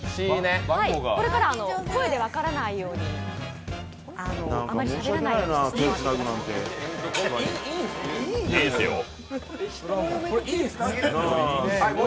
これから声で分からないようにあまりしゃべらないようにしてください。